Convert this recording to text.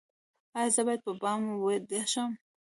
ایا زه باید په بام ویده شم؟